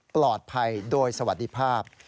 ปลอดภัยโดยสวัสดีภาพ